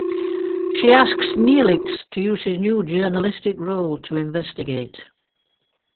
She asks Neelix to use his new journalistic role to investigate.